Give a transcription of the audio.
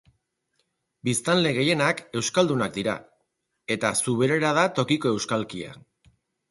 Biztanle gehienak euskaldunak dira, eta zuberera da tokiko euskalkia.